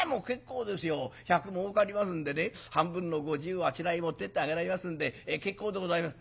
百儲かりますんでね半分の五十をあちらに持っていってあげられますんで結構でございます」。